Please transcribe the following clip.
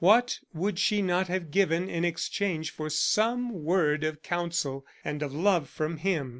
What would she not have given in exchange for some word of counsel and of love from him?